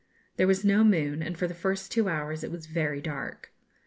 There was no moon, and for the first two hours it was very dark.